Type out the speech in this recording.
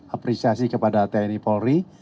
apresiasi kepada tni polri